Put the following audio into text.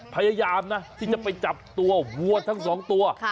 พยายามนะที่จะไปจับตัววัวทั้งสองตัว